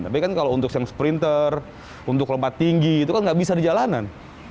tapi kan kalau untuk yang sprinter untuk lompat tinggi itu kan nggak bisa di jalanan